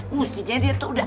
mestinya dia tuh udah